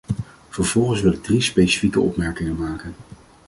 Vervolgens wil ik drie specifieke opmerkingen maken.